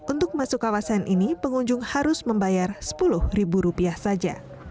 untuk masuk kawasan ini pengunjung harus membayar sepuluh ribu rupiah saja